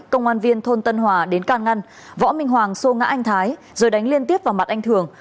công an viên thôn tân hòa đến can ngăn võ minh hoàng xô ngã anh thái rồi đánh liên tiếp vào mặt anh thường